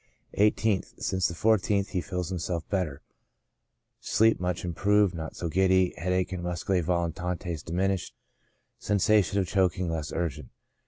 1 8th. — Since the 14th, feels himself better, sleep much improved, not so giddy ; headache and muscse volitantes diminished ; sensation of choking less urgent.